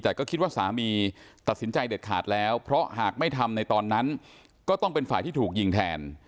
แต่ก็คิดว่าสามีตัดสินใจเด็ดขาดแล้วเพราะหากไม่ทำในตอนนั้นก็ต้องเป็นฝ่ายที่ถูกยิงแทน